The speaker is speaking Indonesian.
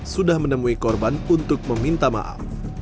sudah menemui korban untuk meminta maaf